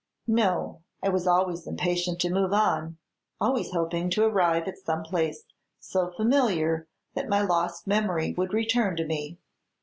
"No; I was always impatient to move on, always hoping to arrive at some place so familiar that my lost memory would return to me.